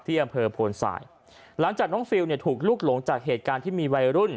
อำเภอโพนสายหลังจากน้องฟิลเนี่ยถูกลุกหลงจากเหตุการณ์ที่มีวัยรุ่น